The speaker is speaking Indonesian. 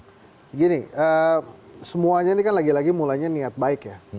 begini semuanya ini kan lagi lagi mulanya niat baik ya